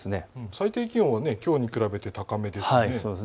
最低気温はきょうに比べて高めですね。